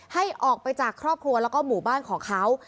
ให้ออกไปจากครอบครัวแล้วก็หมู่บ้านของเขา